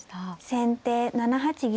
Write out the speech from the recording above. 先手７八銀。